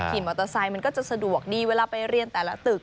ขี่มอเตอร์ไซค์มันก็จะสะดวกดีเวลาไปเรียนแต่ละตึก